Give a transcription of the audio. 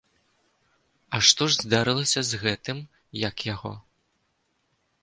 А што ж здарылася з гэтым, як яго?